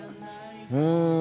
うん。